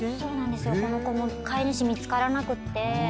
この子も飼い主見つからなくて。